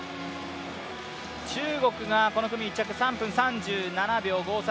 中国がこの組１着、３分３７秒５３。